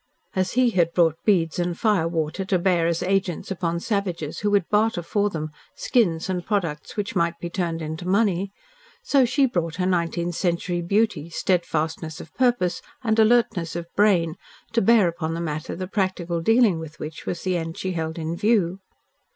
As he had brought beads and firewater to bear as agents upon savages who would barter for them skins and products which might be turned into money, so she brought her nineteenth century beauty, steadfastness of purpose and alertness of brain to bear upon the matter the practical dealing with which was the end she held in view.